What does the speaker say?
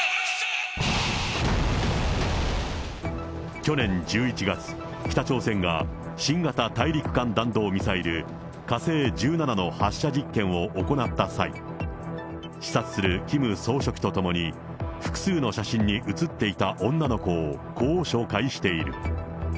去年１１月、北朝鮮が新型大陸間弾道ミサイル火星１７の発射実験を行った際、視察するキム総書記と共に複数の写真に写っていた女の子をこう紹介している。